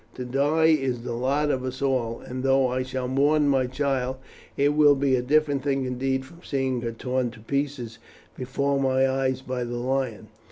To die is the lot of us all, and though I shall mourn my child, it will be a different thing indeed from seeing her torn to pieces before my eyes by the lion.